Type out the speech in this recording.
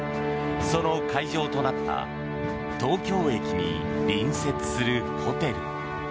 その会場となった東京駅に隣接するホテル。